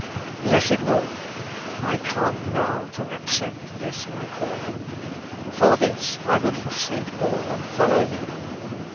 Blessed Lord ! I come now to accept this my call ing. For this I would forsake all and follow Thee.